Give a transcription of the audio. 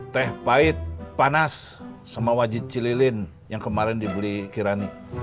teh pahit panas sama wajit cililin yang kemarin dibeli kirani